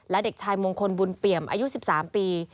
และเด็กชายมงคลบุญเปี่ยมอายุ๑๓ปี